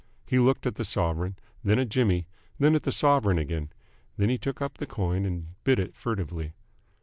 He looked at the sovereign, then at Jimmy, then at the sovereign again. Then he took up the coin and bit it furtively.